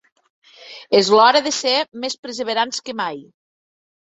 És l’hora de ser més perseverants que mai.